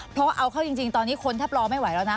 เพราะเอาเข้าจริงตอนนี้คนแทบรอไม่ไหวแล้วนะ